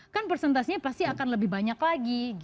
kan presentasinya pasti akan lebih banyak lagi